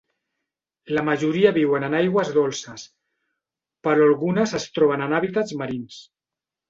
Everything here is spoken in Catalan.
La majoria viuen en aigües dolces, però algunes es troben en hàbitats marins.